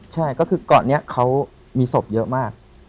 ใช่ก็คือเกาะนี้เขามีศพเยอะมาก